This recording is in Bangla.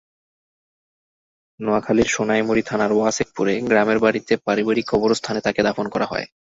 নোয়াখালীর সোনাইমুড়ী থানার ওয়াসেকপুরে গ্রামের বাড়িতে পারিবারিক কবরস্থানে তাঁকে দাফন করা হয়।